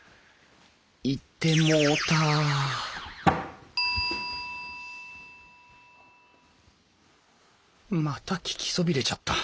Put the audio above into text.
行ってもうたまた聞きそびれちゃった。